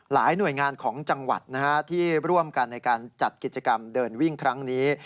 หน่วยงานของจังหวัดที่ร่วมกันในการจัดกิจกรรมเดินวิ่งครั้งนี้